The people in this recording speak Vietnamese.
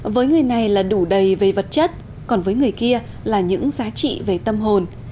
với người này là đủ đầy về vật chất còn với người kia là những giá trị về tâm hồn